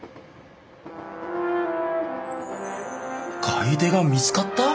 買い手が見つかった？